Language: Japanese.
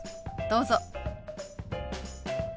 どうぞ。